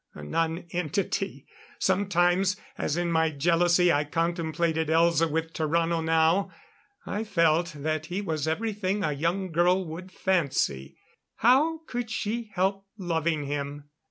A nonentity. Sometimes as in my jealousy I contemplated Elza with Tarrano now, I felt that he was everything a young girl would fancy. How could she help loving him?